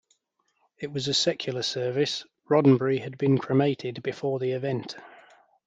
It was a secular service; Roddenberry had been cremated before the event.